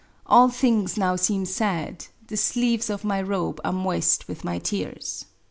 All things now seem sad : the sleeves of my robe are moist with my tears